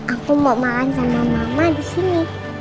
aku mau makan sama mama disini